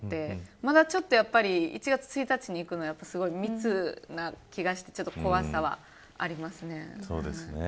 まだちょっと１月１日に行くのは密な気がして、怖さはあります。